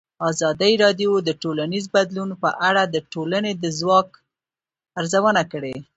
ازادي راډیو د ټولنیز بدلون په اړه د ټولنې د ځواب ارزونه کړې.